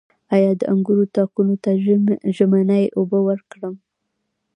آیا د انګورو تاکونو ته ژمنۍ اوبه ورکړم؟